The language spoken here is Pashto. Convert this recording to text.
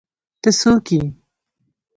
ته څوک ېې